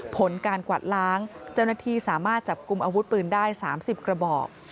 ผลการกวาดล้างเจ้าหน้าที่สามารถจับกลุ่มอาวุธปืนได้๓๐กระบอก